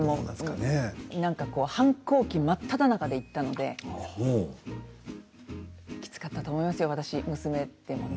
反抗期真っただ中で行ったのできつかったと思いますよ、私娘ってね。